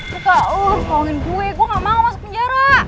buka lo tolongin gue gue gak mau masuk penjara